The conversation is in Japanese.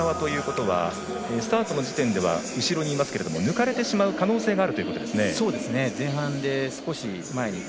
内側ということはスタートの時点では後ろにいますが抜かれてしまう可能性がある。